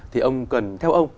thì ông cần theo ông